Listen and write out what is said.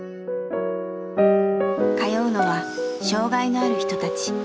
通うのは障害のある人たち。